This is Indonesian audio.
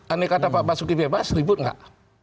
aneh kata pak basuki bebas ribut tidak